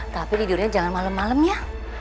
tapi didurnya jangan malem malem ya